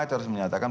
saya harus menyatakan